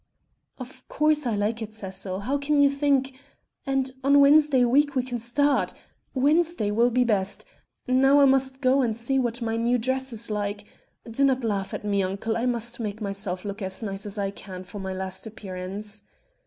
"Of course, I like it, Cecil ... how can you think ... and on Wednesday week we can start Wednesday will be best ... now I must go and see what my new dress is like ... do not laugh at me uncle; I must make myself look as nice as I can for my last appearance."